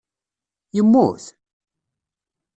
Yemmut?